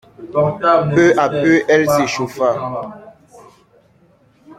Peu à peu, elle s'échauffa.